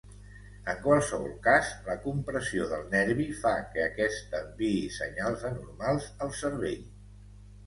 En qualsevol cas, la compressió del nervi fa que aquest enviï senyals anormals al cervell.